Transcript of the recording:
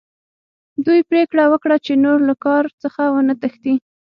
دوی پریکړه وکړه چې نور له کار څخه ونه تښتي